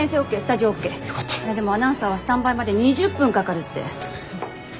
でもアナウンサーはスタンバイまで２０分かかるって。